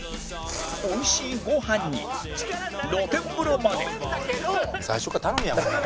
美味しいご飯に露天風呂まで